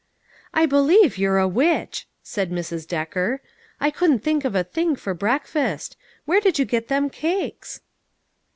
" I believe you're a witch," said Mrs. Decker. " I couldn't think of a thing for breakfast. Where did you get them cakes